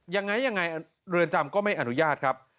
ยังไงยังไงเรือนจำก็ไม่อนุญาตครับ